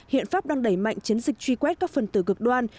hiện pháp đang đẩy mạnh chiến dịch truy quét các phần tử cực đoan